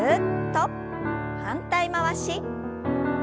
反対回し。